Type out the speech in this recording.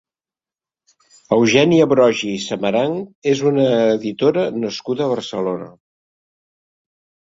Eugènia Broggi i Samaranch és una editora nascuda a Barcelona.